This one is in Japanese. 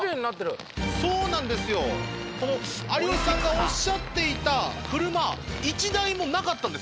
そうなんですよ有吉さんがおっしゃっていた車１台もなかったんです。